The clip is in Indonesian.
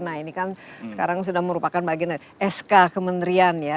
nah ini kan sekarang sudah merupakan bagian dari sk kementerian ya